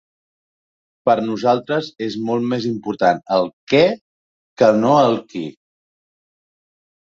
Per nosaltres és molt més important el què que no el qui.